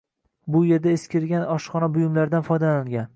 Bu yerda eskirgan oshxona buyumlaridan foydalanilgan.